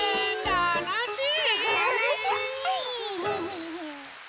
たのしい！